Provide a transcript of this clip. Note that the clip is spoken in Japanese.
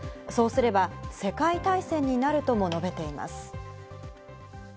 そうすれば世界大戦になるとも述べています。